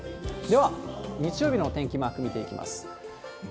では、日曜日のお天気マーク見ていきます。